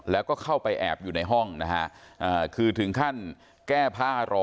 แล้วก็เข้าไปแอบอยู่ในห้องนะฮะคือถึงขั้นแก้ผ้ารอ